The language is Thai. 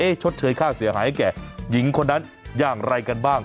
ชดเชยค่าเสียหายให้แก่หญิงคนนั้นอย่างไรกันบ้าง